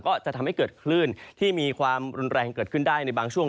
ก็จะทำให้เกิดคลื่นที่มีความรุนแรงเกิดขึ้นได้ในบางช่วง